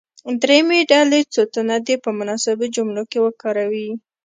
دریمې ډلې څو تنه دې په مناسبو جملو کې وکاروي.